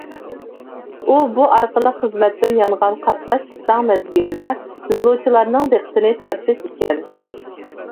ئۇ بۇ ئارقىلىق خىزمەتتىن يانغان قاتناش قىستاڭ مەزگىلدە يولۇچىلارنىڭ دىققىتىنى تارتىش ئىكەن.